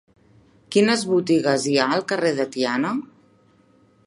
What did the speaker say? Quines botigues hi ha al carrer de Tiana?